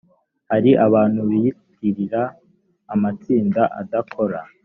hari abantu biyitirira amatsinda adakora